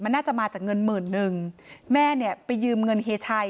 น่าจะมาจากเงินหมื่นนึงแม่เนี่ยไปยืมเงินเฮียชัย